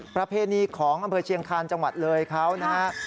ประเพณีของอำเภอเชียงคาญจังหวัดเลยเขานะฮะ